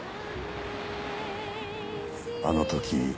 あの時。